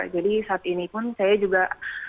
jadi saat ini pun saya juga masih berusaha untuk menerbang